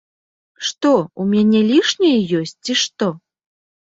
Што, у мяне лішняе ёсць, ці што?